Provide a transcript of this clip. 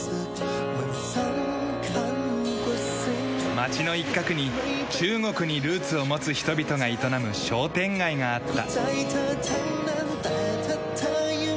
町の一角に中国にルーツを持つ人々が営む商店街があった。